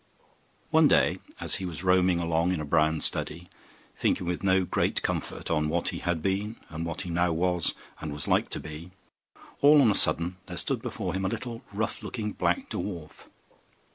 One day, as he was roaming along in a brown study, thinking with no great comfort on what he had been and what he now was, and was like to be, all on a sudden there stood before him a little, rough looking, black dwarf.